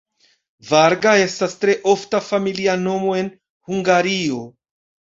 Varga estas tre ofta familia nomo en Hungario.